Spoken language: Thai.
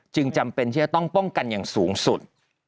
จำเป็นที่จะต้องป้องกันอย่างสูงสุด